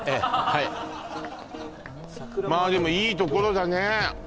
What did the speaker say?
はいまあでもいいところだね